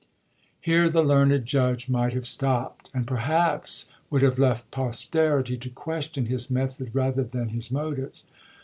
Here the learned judge might have stopped, and perhaps would have left posterity to question his method rather than his motives.